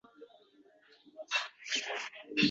Haqiqatda ham ko‘pincha shunday bo‘ladi.